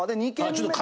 あちょっと。